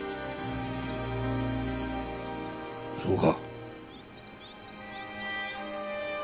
そうか。